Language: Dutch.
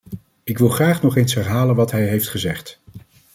Ik wil graag nog eens herhalen wat hij heeft gezegd.